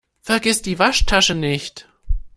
Vergiss die Waschtasche nicht!